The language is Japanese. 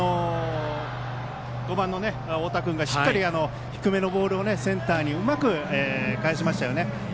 ５番の太田君がしっかり低めのボールをセンターにうまく返しましたね。